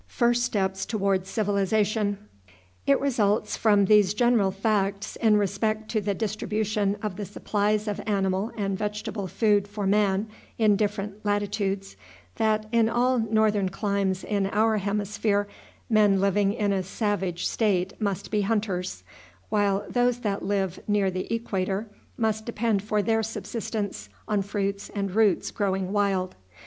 It results from these general facts in respect to the distribution of the supplies of animal and vegetable food for man in different latitudes that, in all northern climes in our hemisphere, men living in a savage state must be hunters, while those that live near the equator must depend for their subsistence on fruits and roots growing wild.